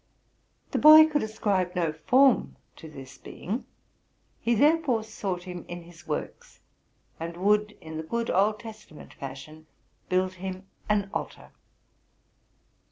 'The boy could ascribe no form to this Being : he therefore sought him in his works, and would, in the good Old Testament fashion, build him an altar.